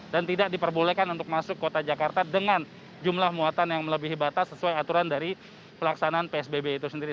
dan tidak diperbolehkan untuk masuk kota jakarta dengan jumlah muatan yang melebihi batas sesuai aturan dari pelaksanaan psbb itu sendiri